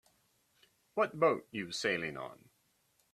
What boat you sailing on?